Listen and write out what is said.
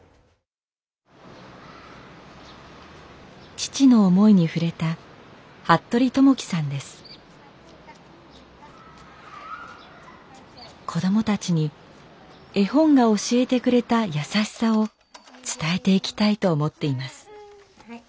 父の思いに触れた子どもたちに絵本が教えてくれたやさしさを伝えていきたいと思っています。